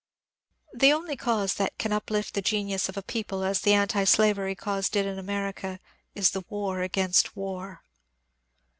The only cause that can uplift the genius of a people as the antislavery cause did in America is the war against War.